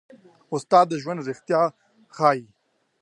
استاد د ژوند رښتیا ښيي.